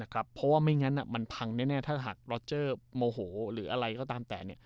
เพราะว่าไม่งั้นมันพังแน่ถ้าหากรอเจอร์โมโหหรืออะไรก็ตามแต่